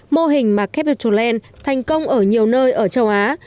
mô hình mà capital land thành công ở nhiều nơi ở châu á